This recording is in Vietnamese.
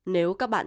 nếu các bạn nhớ